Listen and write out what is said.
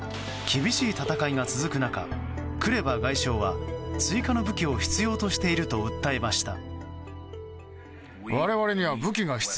厳しい戦いが続く中クレバ外相は追加の武器を必要としていると訴えました。